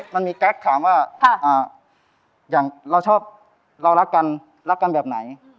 มันมีแก๊กถามว่าอย่างเราชอบเรารักกันรักกันแบบไหน